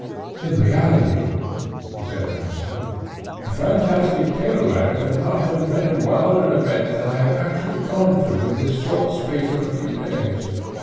"In reality," he said to himself, "a fantastic tale writer could not have invented wilder events than I have actually gone through in the short space of a few days.